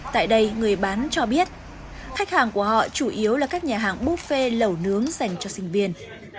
tại đây người bán cho biết khách hàng của họ chủ yếu là các nhà hàng buffet lẩu nướng dành cho sinh viên